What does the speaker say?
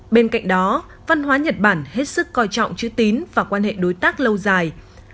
bên cạnh đó văn hóa nhật bản hết sức coi trọng chữ tín và quan hệ đối tác lâu dài